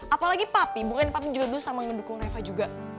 apalagi papi bukannya papi yang dulu sama mendukung reva juga